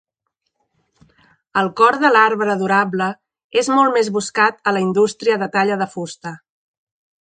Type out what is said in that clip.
El cor de l'arbre durable és molt més buscat a la industria de talla de fusta.